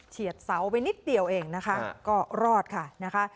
เฉียดเสาไปนิดเดียวเองนะคะก็รอดค่ะนะคะ